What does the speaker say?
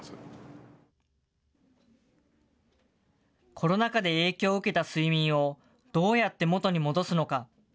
コロナ禍で影響を受けた睡眠をどうやって元に戻すのか。